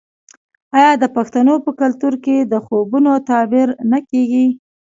آیا د پښتنو په کلتور کې د خوبونو تعبیر نه کیږي؟